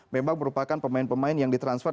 memang merupakan pemain pemain yang di transfer